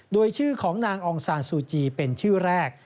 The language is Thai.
โดยชื่อของนางองซานซูจีเป็นชื่อแรก